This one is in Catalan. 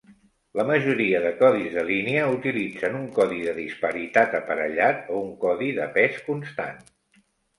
La majoria de codis de línia utilitzen un codi de disparitat aparellat o un codi de pes constant.